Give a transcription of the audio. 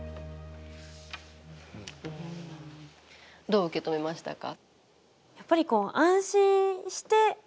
どう受け止めましたか？